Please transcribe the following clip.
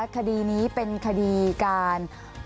คดีนี้เป็นคดีการ